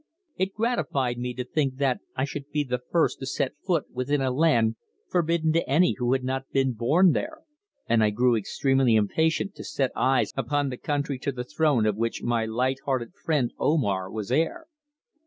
It gratified me to think that I should be the first to set foot within a land forbidden to any who had not been born there, and I grew extremely impatient to set eyes upon the country to the throne of which my light hearted friend Omar was heir.